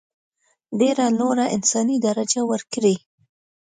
ډېره لوړه انساني درجه ورکړي.